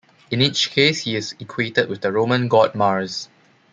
In each case he is equated with the Roman god Mars.